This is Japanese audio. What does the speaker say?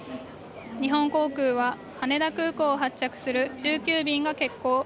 日本航空は羽田空港を発着する１９便が欠航。